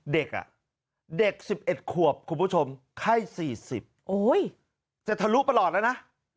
เด็กอ่ะเด็ก๑๑ขวบคุณผู้ชมไข้๔๐จะทะลุประหลอดแล้วนะ